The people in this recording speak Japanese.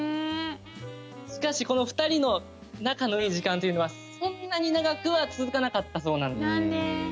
しかしこの２人の仲のいい時間というのはそんなに長くは続かなかったそうなんです。